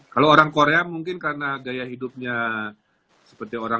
kalau orang korea mungkin karena gaya hidupnya